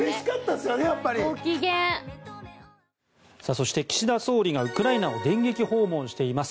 そして、岸田総理がウクライナを電撃訪問しています。